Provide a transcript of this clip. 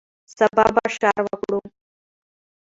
سبا به اشر وکړو